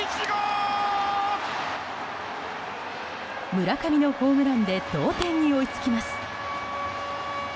村上のホームランで同点に追いつきます。